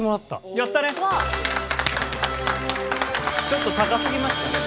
ちょっと高すぎましたね。